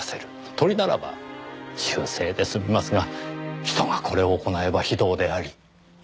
鳥ならば習性ですみますが人がこれを行えば非道であり紛れもない罪です。